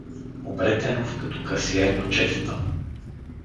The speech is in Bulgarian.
Обретенов като касиер на четата.